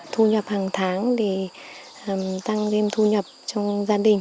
thu nhập hàng tháng để tăng thêm thu nhập trong gia đình